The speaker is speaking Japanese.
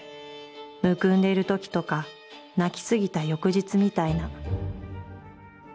むくんでいる時とか、泣きすぎた翌日みたいな、」。